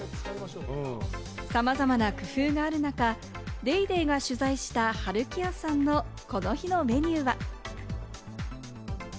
さまざまな工夫がある中、『ＤａｙＤａｙ．』が取材した春木屋さんのこの日のメニューは。